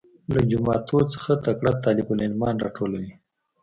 له جوماتو څخه تکړه طالب العلمان راټولوي.